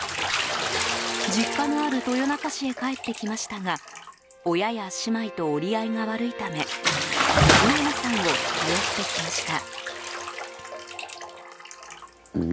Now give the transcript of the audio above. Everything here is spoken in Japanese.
実家のある豊中市へ帰ってきましたが親や姉妹と折り合いが悪いため上野さんを頼ってきました。